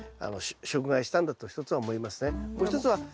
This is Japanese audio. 食害したんだと一つは思いますね。